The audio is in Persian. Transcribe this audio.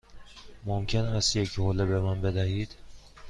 ممکن است یک حوله به من بدهید؟